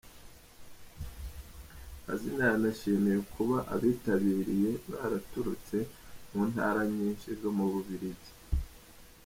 Mazina yanashimiye kuba abitabiriye baraturutse mu ntara nyinshi zo mu Bubiligi.